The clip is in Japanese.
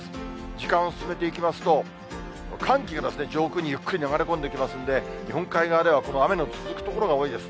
時間を進めていきますと、寒気が上空にゆっくり流れ込んできますんで、日本海側ではこの雨の続く所が多いです。